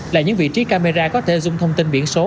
là những vị trí camera có thể dùng thông tin biển số